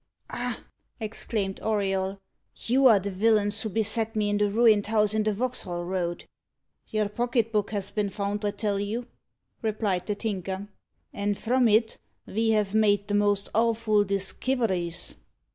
"Ah!" exclaimed Auriol. "You are the villains who beset me in the ruined house in the Vauxhall Road." "Your pocket book has been found, I tell you," replied the Tinker, "and from it ve have made the most awful diskiveries.